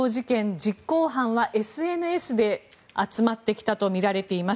実行犯はＳＮＳで集まってきたとみられています。